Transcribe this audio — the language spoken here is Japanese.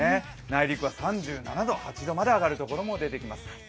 内陸は３７度、３８度まで上がるところも出てきます。